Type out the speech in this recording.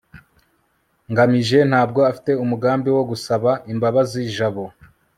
ngamije ntabwo afite umugambi wo gusaba imbabazi jabo